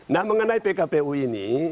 nah mengenai pkpu ini